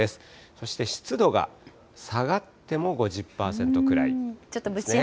そして湿度が下がっても、５０％くらい。